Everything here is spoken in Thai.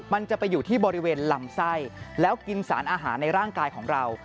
มันจะไปอยู่ที่บริเวณลำไส้แล้วกินสารอาหารในร่างกายของเรา